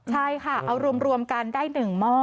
ใช่ค่ะเอารวมกันได้๑หม้อ